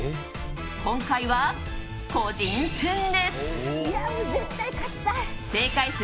今回は、個人戦です。